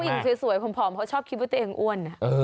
หญิงสวยผอมเขาชอบคิดว่าตัวเองอ้วน